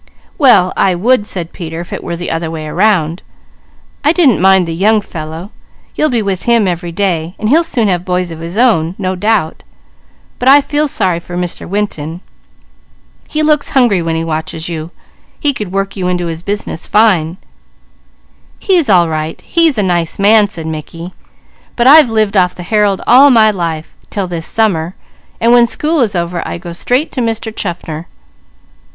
"Well, I would," said Peter, "if it were the other way around. I didn't mind the young fellow. You'll be with him every day, and he'll soon have boys of his own no doubt; but I feel sorry for Mr. Winton. He looks hungry when he watches you. He could work you into his business fine." "He's all right, he's a nice man," said Mickey, "but I've lived off the Herald all my life 'til this summer, so when school is over I go straight to Mr. Chaffner."